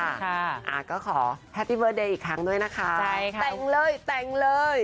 อ่าก็ขอแฮปปี้เบิร์ตเดย์อีกครั้งด้วยนะคะแต่งเลยนะคะใช่ค่ะ